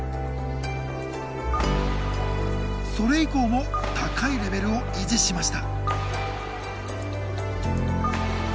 それ以降も高いレベルを維持しました。